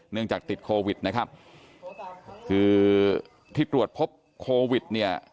จากติดโควิดนะครับคือที่ตรวจพบโควิดเนี่ย